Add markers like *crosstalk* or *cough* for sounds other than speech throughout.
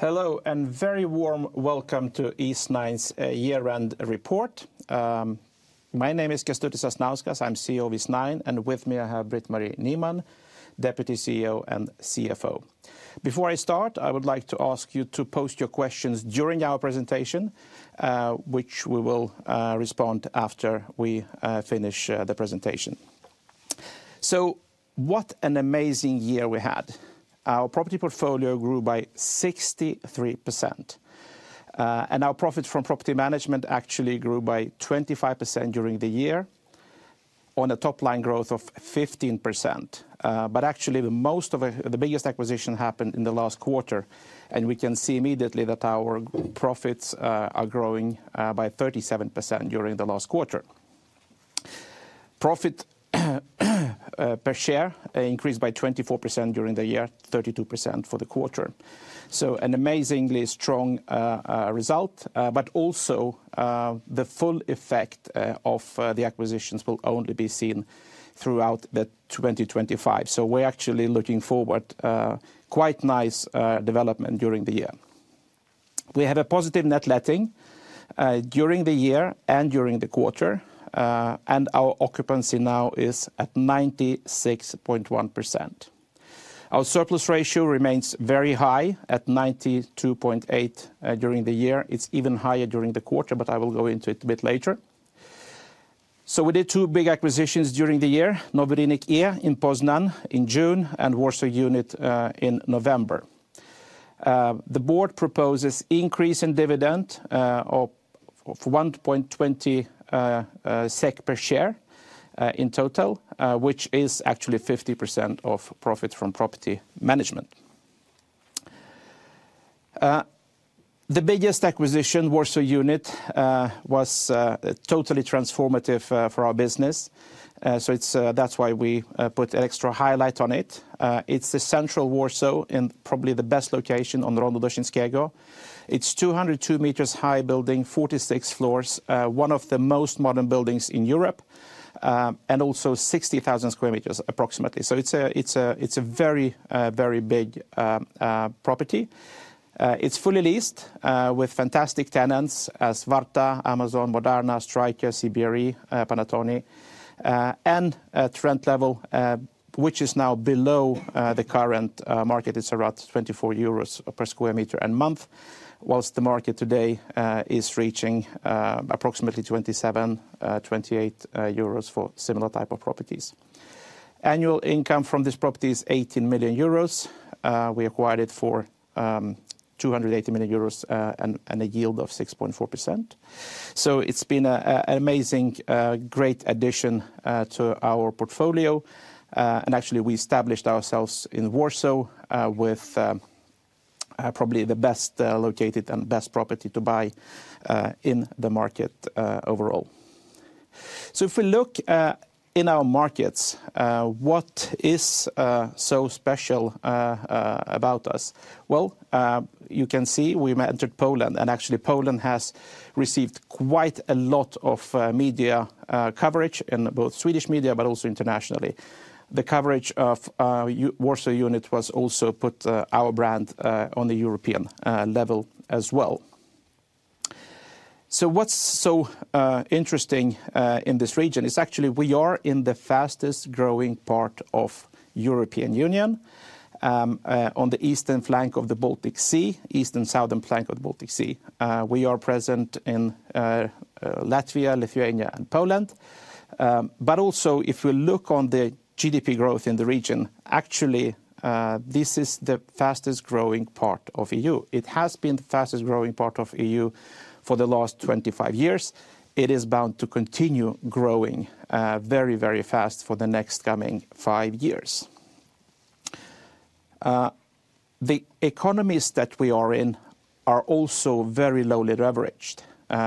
Hello, and very warm welcome to Eastnine's year-end report. My name is Kestutis Sasnauskas. I'm CEO of Eastnine, and with me I have Britt-Marie Nyman, Deputy CEO and CFO. Before I start, I would like to ask you to post your questions during our presentation, which we will respond to after we finish the presentation. What an amazing year we had. Our property portfolio grew by 63%, and our profits from property management actually grew by 25% during the year, on a top-line growth of 15%. Actually, the biggest acquisition happened in the last quarter, and we can see immediately that our profits are growing by 37% during the last quarter. Profit per share increased by 24% during the year, 32% for the quarter. An amazingly strong result, but also the full effect of the acquisitions will only be seen throughout 2025. We're actually looking forward to quite nice development during the year. We have a positive net letting during the year and during the quarter, and our occupancy now is at 96.1%. Our surplus ratio remains very high, at 92.8% during the year. It's even higher during the quarter, but I will go into it a bit later. We did two big acquisitions during the year, Nowy Rynek E in Poznań in June and Warsaw Unit in November. The board proposes an increase in dividend of 1.20 SEK per share in total, which is actually 50% of profits from property management. The biggest acquisition, Warsaw Unit was totally transformative for our business, so that's why we put an extra highlight on it. It's the central Warsaw, and probably the best location on Rondo Daszyńskiego. It's a 202 m high building, 46 floors, one of the most modern buildings in Europe, and also 60,000 sq m approximately. It's a very, very big property. It's fully leased, with fantastic tenants, Warta, Amazon, Moderna, Stryker, CBRE, Panattoni, and, *audio distortion* which is now below the current market. It's around 24 euros per square meter and month, while the market today is reaching approximately 27-28 euros for similar types of properties. Annual income from this property is 18 million euros. We acquired it for 280 million euros and a yield of 6.4%. It's been an amazing, great addition to our portfolio, and actually we established ourselves in Warsaw with probably the best located and best property to buy in the market overall. If we look in our markets, what is so special about us? You can see we entered Poland, and actually Poland has received quite a lot of media coverage, in both Swedish media, but also internationally. The coverage of Warsaw Unit has also put our brand on the European level as well. What's so interesting in this region is actually we are in the fastest-growing part of the European Union, on the east and southern flank of the Baltic Sea. We are present in Latvia, Lithuania, and Poland. Also, if we look at the GDP growth in the region, actually this is the fastest-growing part of the EU. It has been the fastest-growing part of the EU for the last 25 years. It is bound to continue growing very, very fast for the next coming five years. The economies that we are in are also very lowly leveraged,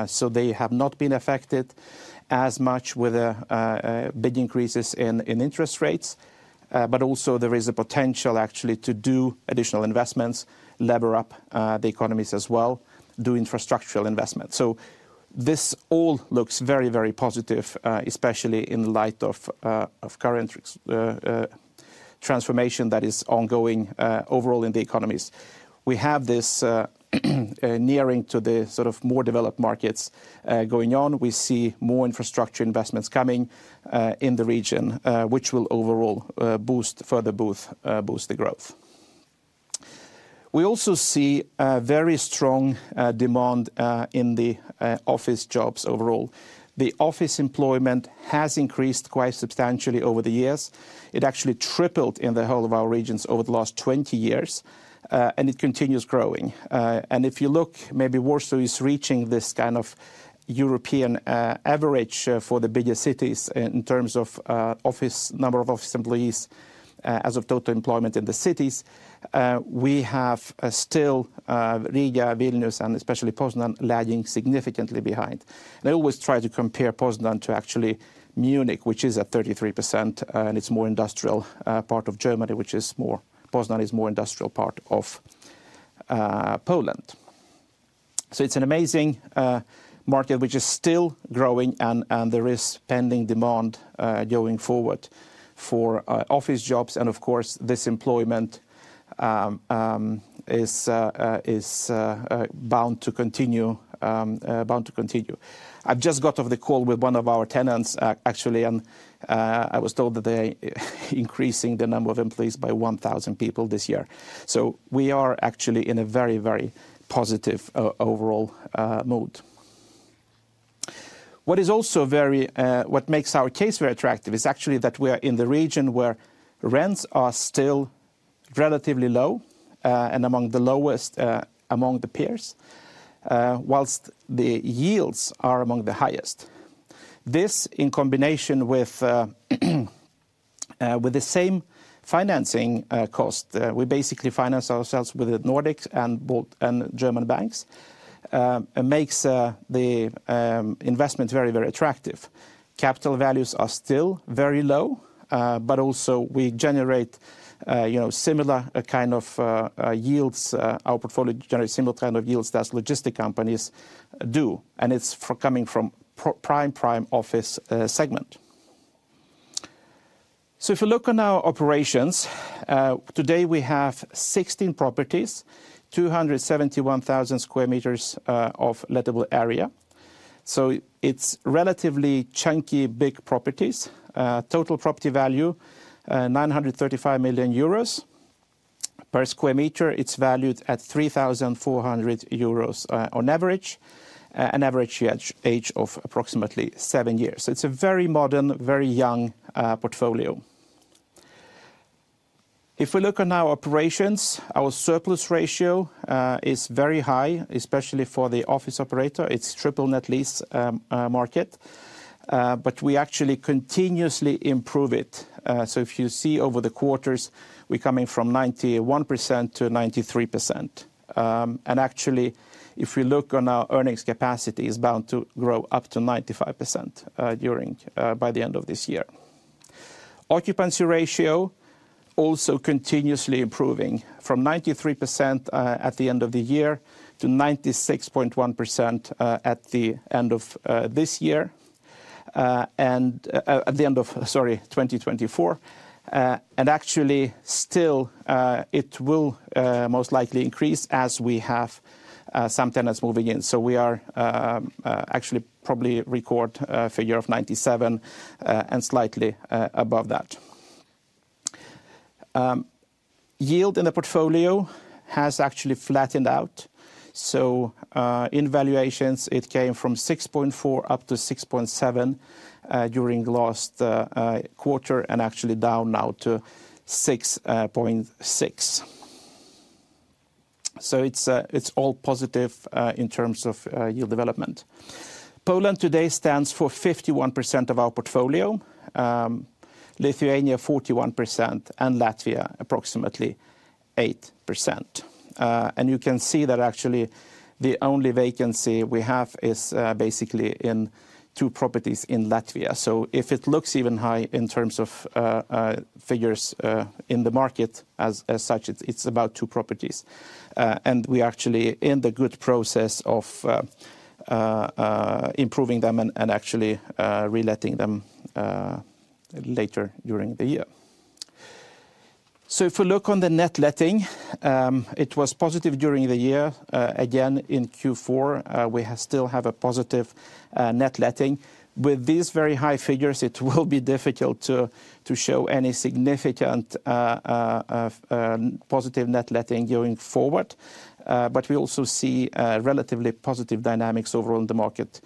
so they have not been affected as much with big increases in interest rates. Also, there is a potential actually to do additional investments, lever-up the economies as well, do infrastructural investments. This all looks very, very positive, especially in light of current transformation that is ongoing overall in the economies. We have this nearing to the more developed markets going on. We see more infrastructure investments coming in the region, which will overall boost further the growth. We also see a very strong demand in the office jobs overall. The office employment has increased quite substantially over the years. It actually tripled in the whole of our regions over the last 20 years, and it continues growing. If you look, maybe Warsaw is reaching this kind of European average for the biggest cities in terms of number of office employees as of total employment in the cities. We have still, Riga, Vilnius, and especially Poznań lagging significantly behind. I always try to compare Poznań to actually Munich, which is at 33%, and it's a more industrial part of Germany. Poznań is a more industrial part of Poland. It's an amazing market, which is still growing, and there is pending demand going forward for office jobs and of course this employment is bound to continue. I've just got off the call with one of our tenants actually, and I was told that they are increasing the number of employees by 1,000 people this year. We are actually in a very, very positive overall mood. What makes our case very attractive is actually that we are in the region where rents are still relatively low and among the lowest among the peers, while the yields are among the highest. This, in combination with the same financing cost, we basically finance ourselves with the Nordics and German banks, makes the investment very, very attractive. Capital values are still very low, but also we generate similar kind of yields. Our portfolio generates similar kind of yields as logistic companies do, and it's coming from the prime office segment. If you look on our operations, today we have 16 properties, 271,000 sq m of lettable area. It's relatively chunky, big properties. Total property value is 935 million euros. Per square meter, it's valued at 3,400 euros on average, an average age of approximately seven years. It's a very modern, very young portfolio. If we look on our operations, our surplus ratio is very high, especially for the office operator. It's triple net lease market, but we actually continuously improve it. If you see over the quarters, we're coming from 91%-93%. Actually, if you look on our earnings capacity, it's bound to grow up to 95% by the end of this year. Occupancy ratio is also continuously improving from 93% at the end of the year to 96.1% at the end of 2024. Actually still, it will most likely increase, as we have some tenants moving in. We are actually probably recording a figure of 97 and slightly above that. Yield in the portfolio has actually flattened out. In valuations, it came from 6.4% up to 6.7% during the last quarter, and actually down now to 6.6%. It's all positive in terms of yield development. Poland today stands for 51% of our portfolio, Lithuania 41%, and Latvia approximately 8%. You can see that actually the only vacancy we have is basically in two properties in Latvia. If it looks even high in terms of figures in the market as such, it's about two properties. We are actually in the good process of improving them, and actually reletting them later during the year. If we look on the net letting, it was positive during the year. Again, in Q4, we still have a positive net letting. With these very high figures, it will be difficult to show any significant positive net letting going forward, but we also see relatively positive dynamics overall in the market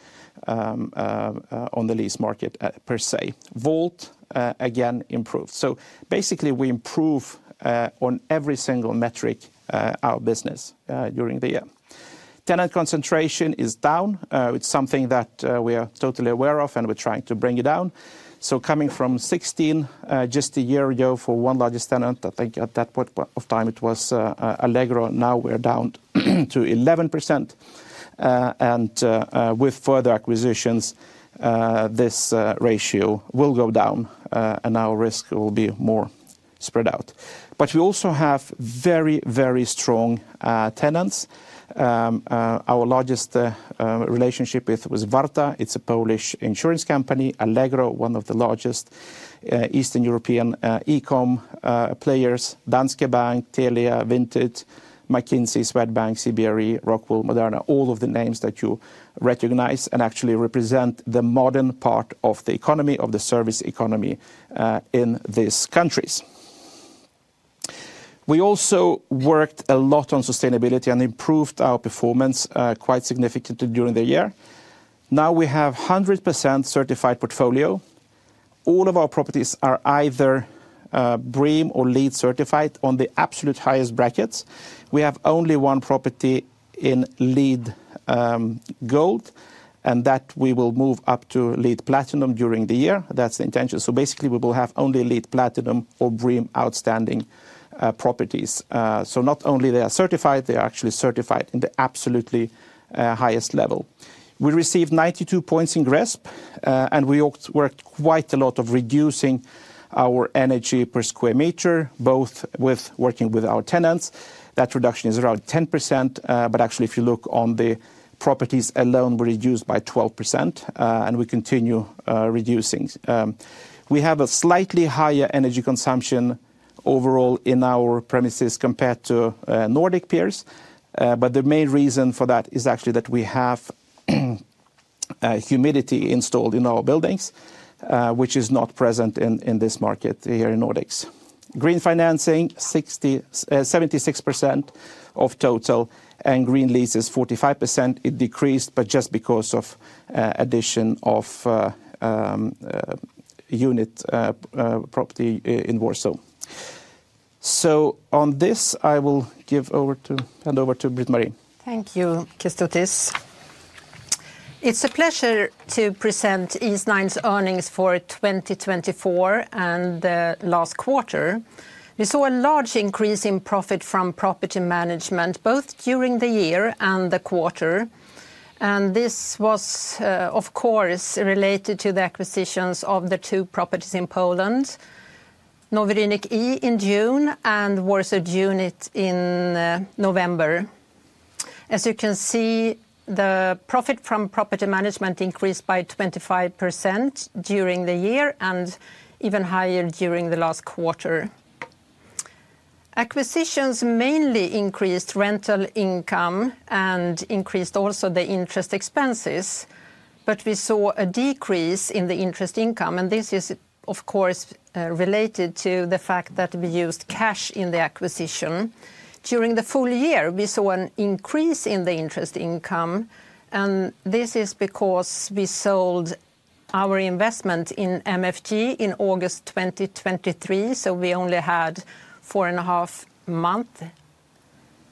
on the lease market per se. WAULT, again improved, so basically, we improve on every single metric of our business during the year. Tenant concentration is down. It's something that we are totally aware of, and we're trying to bring it down, so coming from 16 just a year ago for one largest tenant, I think at that point of time it was Allegro, now we're down to 11%. With further acquisitions, this ratio will go down and our risk will be more spread out, but we also have very, very strong tenants. Our largest relationship with Warta, is a Polish insurance company, Allegro, one of the largest Eastern European e-comm players, Danske Bank, Telia, Vinted, McKinsey, Swedbank, CBRE, Rockwool, Moderna, all of the names that you recognize and actually represent the modern part of the economy, of the service economy in these countries. We also worked a lot on sustainability, and improved our performance quite significantly during the year. Now we have a 100% certified portfolio. All of our properties are either BREEAM or LEED certified on the absolute highest brackets. We have only one property in LEED Gold, and that we will move up to LEED Platinum during the year. That's the intention. Basically, we will have only LEED Platinum or BREEAM outstanding properties. Not only are they certified, they are actually certified in the absolutely highest level. We received 92 points in GRESB, and we worked quite a lot on reducing our energy per square meter, both with working with our tenants. That reduction is around 10%, but actually if you look on the properties alone, we reduced by 12% and we continue reducing. We have a slightly higher energy consumption overall in our premises compared to Nordic peers, but the main reason for that is actually that we have humidity installed in our buildings, which is not present in this market here in Nordics. Green financing is 76% of total, and green lease is 45%. It decreased, but just because of the addition of a unit property in Warsaw. On this, I will hand over to Britt-Marie. Thank you, Kestutis. It's a pleasure to present Eastnine's earnings for 2024 and the last quarter. We saw a large increase in profit from property management, both during the year and the quarter. This was of course related to the acquisitions of the two properties in Poland, Nowy Rynek E in June and Warsaw Unit in November. As you can see, the profit from property management increased by 25% during the year and even higher during the last quarter. Acquisitions mainly increased rental income and increased also the interest expenses, but we saw a decrease in the interest income, and this is of course related to the fact that we used cash in the acquisition. During the full year, we saw an increase in the interest income, and this is because we sold our investment in MFG in August 2023, so we only had four and a half months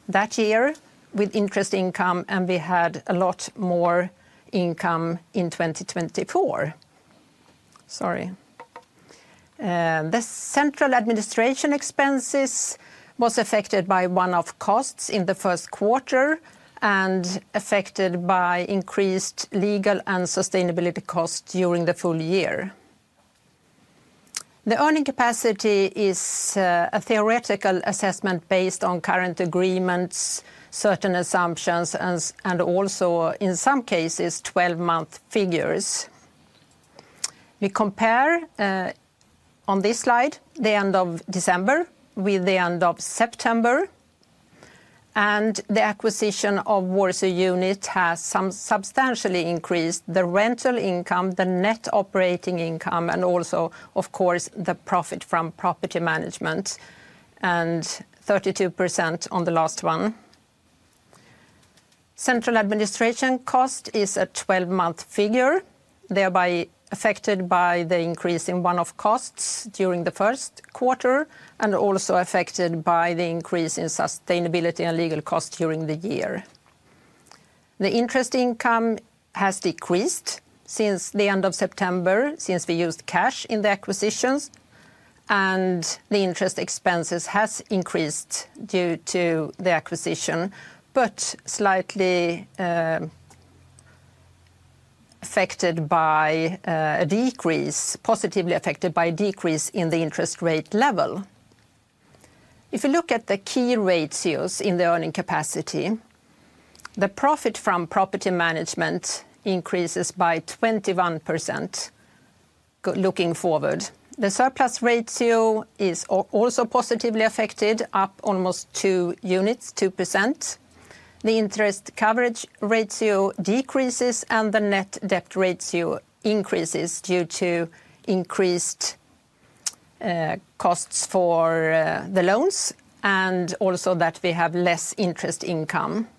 that year with interest income, and we had a lot more income in 2024. Sorry. The central administration expenses were affected by one-off costs in the first quarter, and affected by increased legal and sustainability costs during the full year. The earning capacity is a theoretical assessment based on current agreements, certain assumptions, and also in some cases, 12-month figures. We compare on this slide the end of December with the end of September, and the acquisition of Warsaw Unit has substantially increased the rental income, the net operating income, and also of course the profit from property management, and 32% on the last one. Central administration cost is a 12-month figure, thereby affected by the increase in one-off costs during the first quarter and also affected by the increase in sustainability and legal costs during the year. The interest income has decreased since the end of September, since we used cash in the acquisitions, and the interest expenses have increased due to the acquisition, but slightly affected by a decrease, positively affected by a decrease in the interest rate level. If you look at the key ratios in the earning capacity, the profit from property management increases by 21% looking forward. The surplus ratio is also positively affected, up almost two units, 2%. The interest coverage ratio decreases, and the net debt ratio increases due to increased costs for the loans and also that we have less interest income.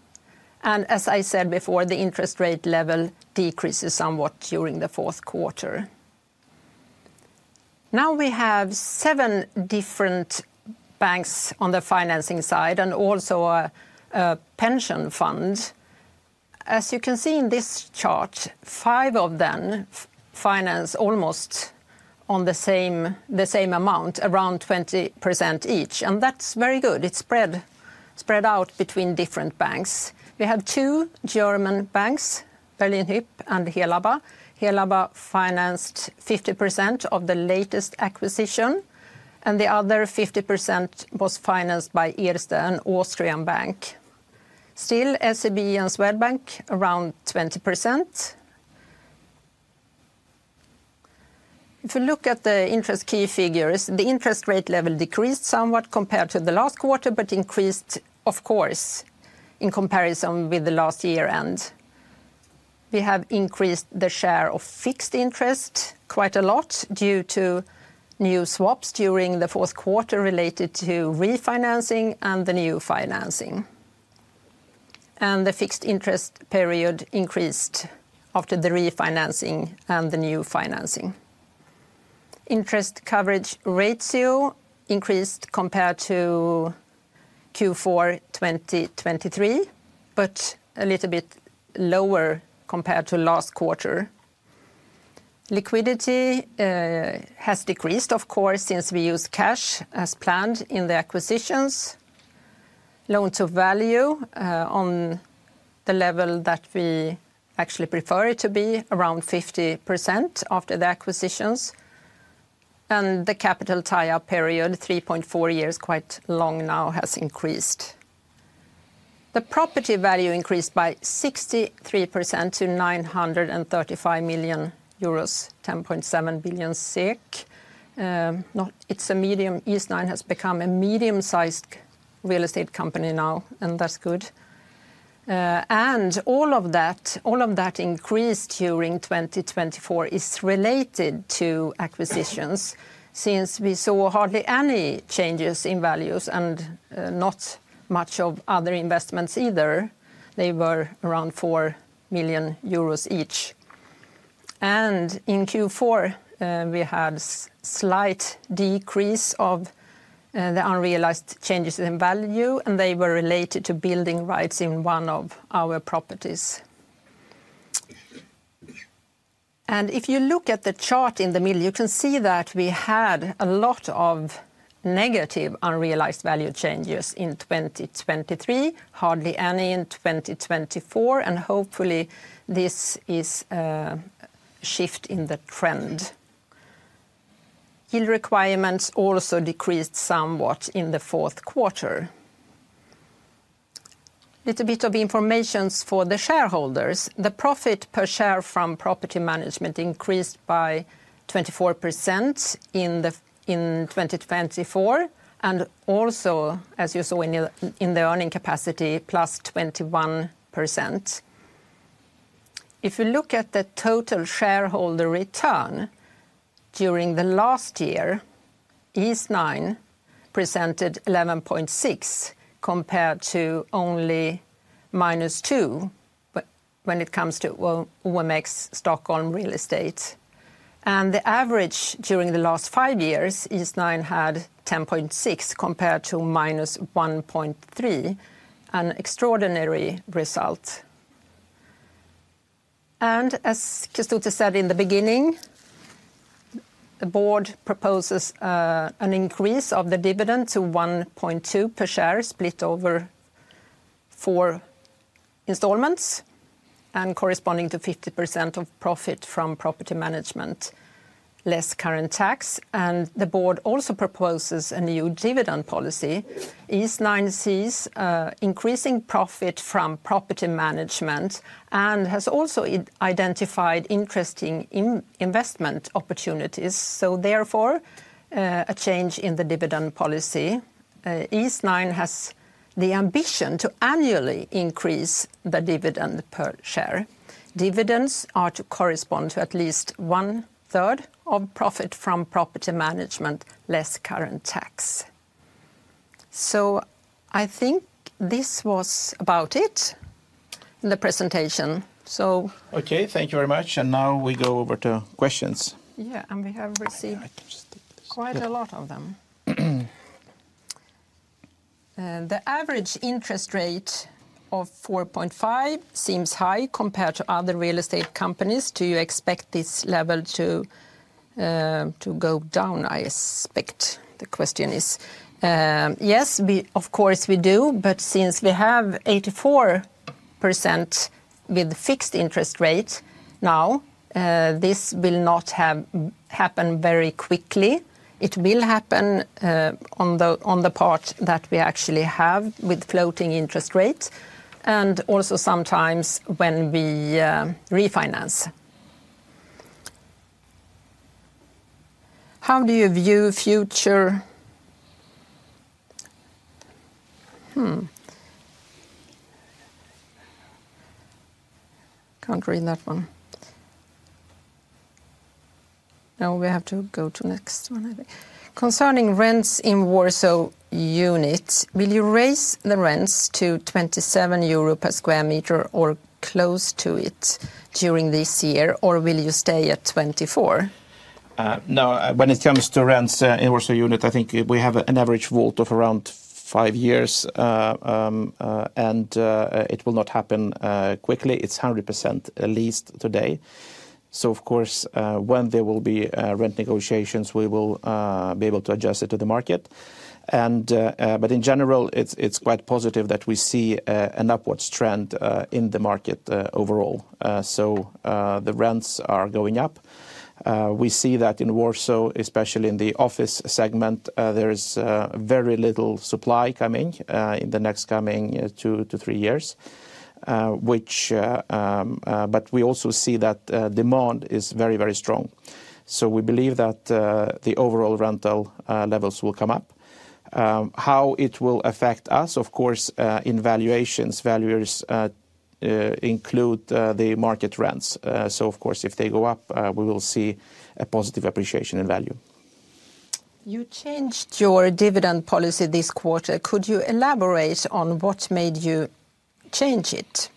As I said before, the interest rate level decreases somewhat during the fourth quarter. Now we have seven different banks on the financing side and also a pension fund. As you can see in this chart, five of them finance almost the same amount, around 20% each, and that's very good. It's spread out between different banks. We had two German banks, Berlin Hyp and Helaba. Helaba financed 50% of the latest acquisition, and the other 50% was financed by Erste, an Austrian bank. Still, SEB and Swedbank, around 20%. If you look at the interest-key figures, the interest rate level decreased somewhat compared to the last quarter, but increased of course in comparison with the last year-end. We have increased the share of fixed interest quite a lot due to new swaps during the fourth quarter related to refinancing and the new financing, and the fixed interest period increased after the refinancing and the new financing. Interest coverage ratio increased compared to Q4 2023, but a little bit lower compared to last quarter. Liquidity has decreased of course, since we used cash as planned in the acquisitions. Loan-to-value on the level that we actually prefer it to be, around 50% after the acquisitions. The capital tie-up period, 3.4 years, quite long now, has increased. The property value increased by 63% to 935 million euros, 10.7 billion SEK. Eastnine has become a medium-sized real estate company now, and that's good. All of that increase during 2024 is related to acquisitions, since we saw hardly any changes in values and not much of other investments either. They were around 4 million euros each. In Q4, we had a slight decrease of the unrealized changes in value, and they were related to building rights in one of our properties. If you look at the chart in the middle, you can see that we had a lot of negative unrealized value changes in 2023, hardly any in 2024 and hopefully this is a shift in the trend. Yield requirements also decreased somewhat in the fourth quarter. A little bit of information for the shareholders. The profit per share from property management increased by 24% in 2024, and also as you saw in the earning capacity, plus 21%. If you look at the total shareholder return during the last year, Eastnine presented 11.6% compared to only -2% when it comes to OMX Stockholm Real Estate. The average during the last five years, Eastnine had 10.6% compared to -1.3%, an extraordinary result. As Kestutis said in the beginning, the board proposes an increase of the dividend to 1.2% per share, split over four installments and corresponding to 50% of profit from property management, less current tax. The board also proposes a new dividend policy. Eastnine sees increasing profit from property management, and has also identified interesting investment opportunities, so therefore, a change in the dividend policy. Eastnine has the ambition to annually increase the dividend per share. Dividends are to correspond to at least 1/3 of profit from property management, less current tax. I think this was about it in the presentation. Okay, thank you very much. Now we go over to questions. *audio distortion* Yeah. We have received quite a lot of them. The average interest rate of 4.5% seems high compared to other real estate companies. Do you expect this level to go down? I suspect the question is. Yes, of course we do, but since we have 84% with fixed interest rate now, this will not happen very quickly. It will happen on the part that we actually have with floating interest rate, and also sometimes when we refinance. How do you view the future? Can't read that one. Now we have to go to the next one I think. Concerning rents in Warsaw Units, will you raise the rents to 27 euro per sq m or close to it during this year or will you stay at 24? Now, when it comes to rents in Warsaw Unit, I think we have an average WAULT of around five years, and it will not happen quickly. It's 100% leased today. Of course, when there will be rent negotiations, we will be able to adjust it to the market. In general, it's quite positive that we see an upward trend in the market overall. The rents are going up. We see that in Warsaw, especially in the office segment, there is very little supply coming in the next two to three years. We also see that demand is very, very strong. We believe that the overall rental levels will come up. How it will affect us, of course in valuations, values include the market rents. Of course, if they go up, we will see a positive appreciation in value. You changed your dividend policy this quarter. Could you elaborate on what made you change it?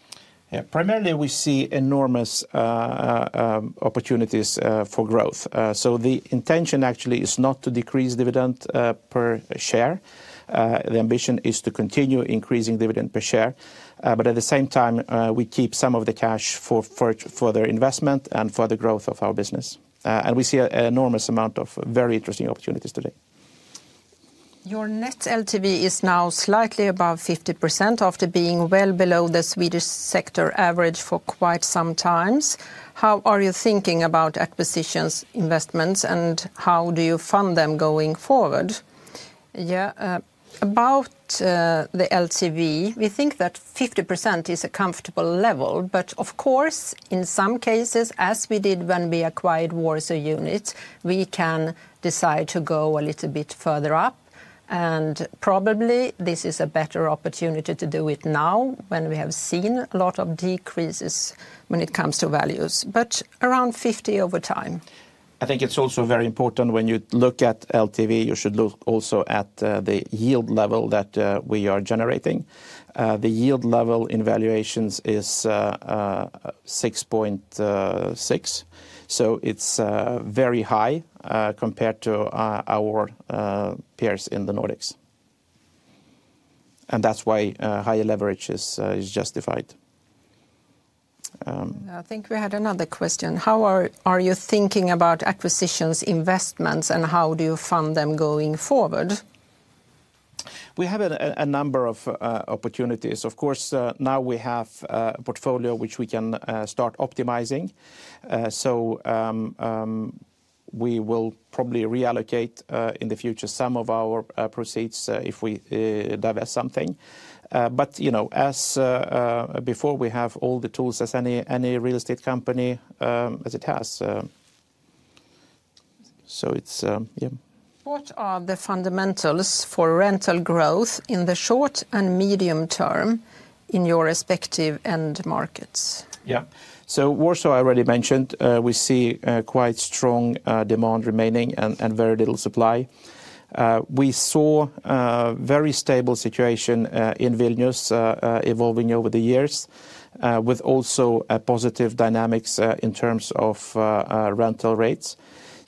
Yeah, primarily we see enormous opportunities for growth. The intention actually is not to decrease dividend per share. The ambition is to continue increasing dividend per share. At the same time, we keep some of the cash for further investment and for the growth of our business. We see an enormous amount of very interesting opportunities today. Your net LTV is now slightly above 50%, after being well below the Swedish sector average for quite some time. How are you thinking about acquisitions, investments, and how do you fund them going forward? Yeah, about the LTV, we think that 50% is a comfortable level. Of course, in some cases, as we did when we acquired Warsaw Units, we can decide to go a little bit further up. Probably this is a better opportunity to do it now, when we have seen a lot of decreases when it comes to values, but around 50 over time. I think it's also very important when you look at LTV, you should look also at the yield level that we are generating. The yield level in valuations is 6.6%. It's very high compared to our peers in the Nordics, and that's why higher leverage is justified. I think we had another question. How are you thinking about acquisitions, investments, and how do you fund them going forward? We have a number of opportunities. Of course, now we have a portfolio which we can start optimizing. We will probably reallocate in the future, some of our proceeds if we divest something. As before, we have all the tools as any real estate company has, yeah. What are the fundamentals for rental growth in the short and medium term in your respective end markets? Yeah,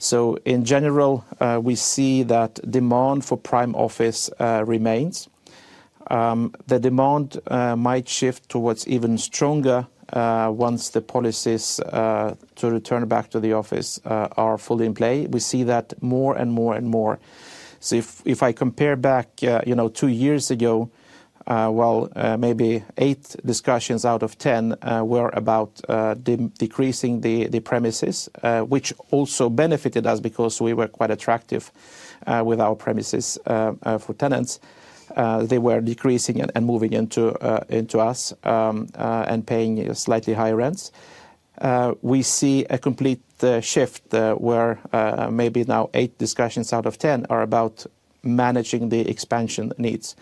so Warsaw, I already mentioned, we see quite strong demand remaining and very little supply. We saw a very stable situation in Vilnius evolving over the years, with also positive dynamics in terms of rental rates. In general, we see that demand for prime office remains. The demand might shift towards even stronger, once the policies to return back to the office are fully in play. We see that more and more. If I compare back two years ago, maybe eight discussions out of 10 were about decreasing the premises, which also benefited us because we were quite attractive with our premises for tenants. They were decreasing and moving into us, and paying slightly higher rents. We see a complete shift, where maybe now eight discussions out of 10 are about managing the expansion needs.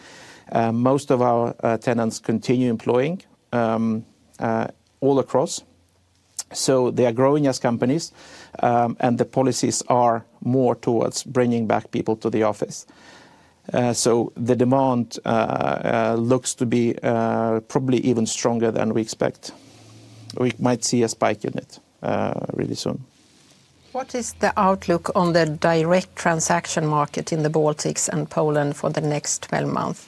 Most of our tenants continue employing all across. They are growing as companies, and the policies are more towards bringing back people to the office. The demand looks to be probably even stronger than we expect. We might see a spike in it really soon. What is the outlook on the direct transaction market in the Baltics and Poland for the next 12 months?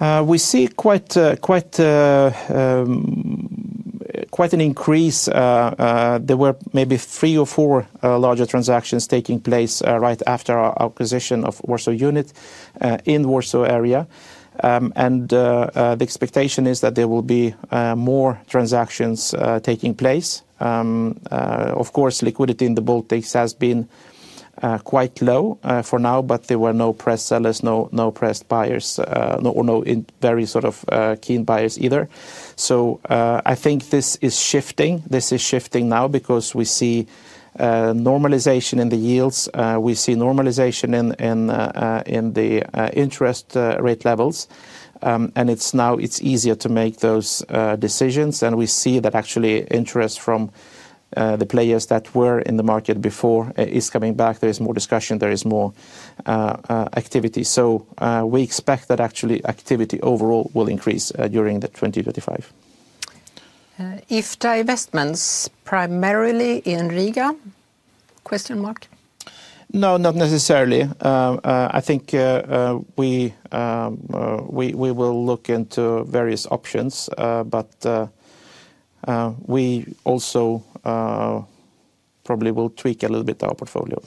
We see quite an increase. There were maybe three or four larger transactions taking place right after our acquisition of Warsaw Unit in the Warsaw area. The expectation is that there will be more transactions taking place. Of course, liquidity in the Baltics has been quite low for now, but there were no pressed sellers, no pressed buyers or no very keen buyers either. I think this is shifting now, because we see normalization in the yields. We see normalization in the interest rate levels. It's now easier to make those decisions. We see that actually interest from the players that were in the market before is coming back. There is more discussion. There is more activity. We expect that actually activity overall will increase during 2025. Is the investments primarily in Riga? No, not necessarily. I think we will look into various options, but we also probably will tweak a little bit our portfolio.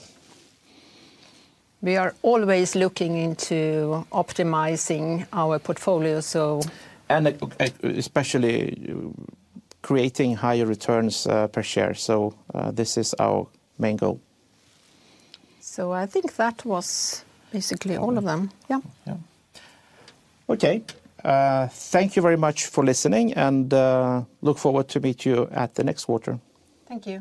We are always looking into optimizing our portfolio. Especially creating higher returns per share, so this is our main goal. I think that was basically all of them, yeah. Yeah, okay. Thank you very much for listening, and look forward to meeting you at the next quarter. Thank you.